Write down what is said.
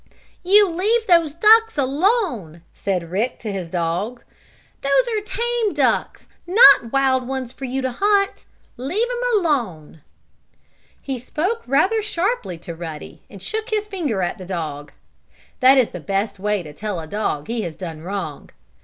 "You leave those ducks alone!" said Rick to his dog. "Those are tame ducks, not wild ones for you to hunt. Leave 'em alone!" He spoke rather sharply to Ruddy, and shook his finger at the dog. That is the best way to tell a dog that he has done wrong.